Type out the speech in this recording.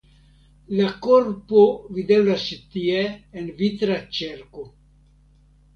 La korpo videblas ĉi tie en vitra ĉerko.